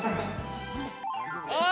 あっ！